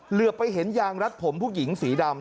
เหลือไปเห็นยางรัดผมผู้หญิงสีดำ